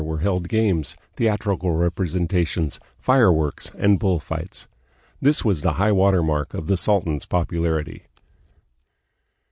were held games, theatrical representations, fire works, and bull fights. This was the high water mark of the sultan's popularity.